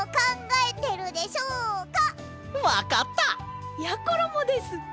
わかった！やころもです！